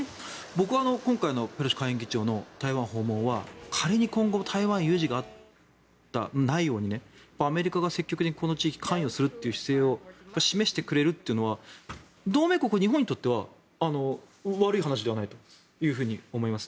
僕は今回のペロシ下院議長の台湾訪問は仮に今後台湾有事がないようにねアメリカが積極的にこの地域に関与するという姿勢を示してくれるというのは同盟国、日本にとっては悪い話ではないと思います。